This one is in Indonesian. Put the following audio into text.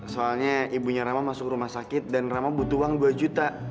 soalnya ibunya rama masuk rumah sakit dan rama butuh uang dua juta